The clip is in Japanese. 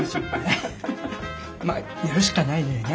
まあやるしかないのよね。